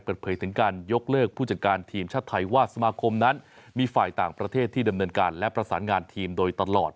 เปิดเผยถึงการยกเลิกผู้จัดการทีมชาติไทยว่าสมาคมนั้นมีฝ่ายต่างประเทศที่ดำเนินการและประสานงานทีมโดยตลอด